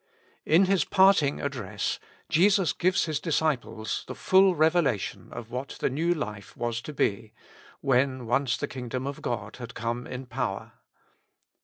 IN His parting address, Jesus gives His disciples the full revelation of what the New Life was to be, when once the kingdom of God had come in power.